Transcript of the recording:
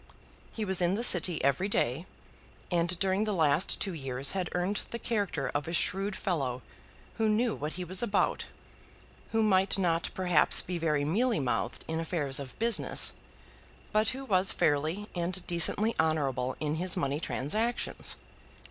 He was in the City every day; and during the last two years had earned the character of a shrewd fellow who knew what he was about, who might not perhaps be very mealy mouthed in affairs of business, but who was fairly and decently honourable in his money transactions.